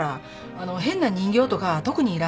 あの変な人形とか特にいらん。